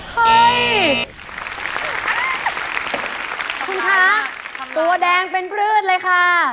เฮ้ยคุณคะตัวแดงเป็นพืชเลยค่ะ